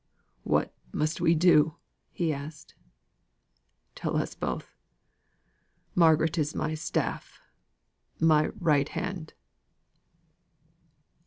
"What must we do?" asked he. "Tell us both. Margaret is my staff my right hand."